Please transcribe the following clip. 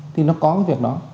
thì nó có cái việc đó